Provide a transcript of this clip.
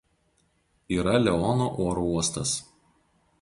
Yra Leono oro uostas.